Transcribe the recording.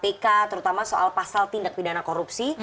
kpk terutama soal pasal tindak pidana korupsi